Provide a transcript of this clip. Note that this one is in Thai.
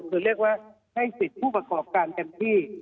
คือเรียกว่าให้ศิษย์ผู้ประกอบการแผ่นที่